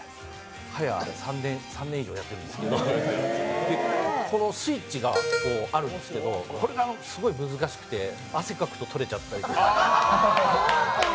早３年以上やってるんですけどこのスイッチがあるんですけどこれがすごい難しくて汗かくと取れちゃったりとか。